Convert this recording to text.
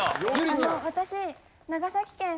私。